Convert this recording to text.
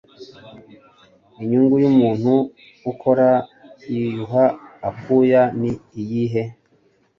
inyungu y'umuntu ukora yiyuha akuya ni iyihe